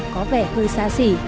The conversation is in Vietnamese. có vẻ hơi xa xỉ